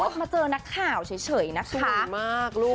นี่ชุดมาเจอนักค่าวเฉยนะคะชุดใหญ่มากลูก